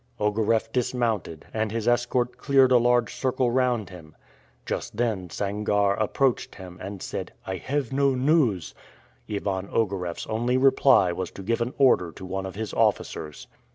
Ogareff dismounted, and his escort cleared a large circle round him. Just then Sangarre approached him, and said, "I have no news." Ivan Ogareff's only reply was to give an order to one of his officers.